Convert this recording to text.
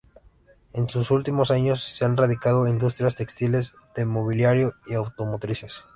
En los últimos años se han radicado industrias textiles, de mobiliario y automotrices.